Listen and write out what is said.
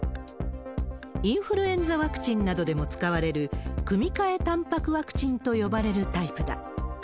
インフルエンザワクチンなどでも使われる、組み換えたんぱくワクチンと呼ばれるタイプだ。